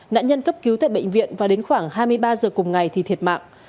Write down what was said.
nạn nhân cấp cứu tại bệnh viện và đến khoảng hai mươi ba giờ cùng ngày thì thiệt mạng